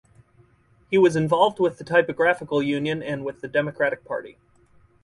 He was involved with the Typographical Union and with the Democratic Party.